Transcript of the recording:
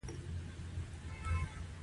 د دوی دنده د بې ګټو پانګو راټولول دي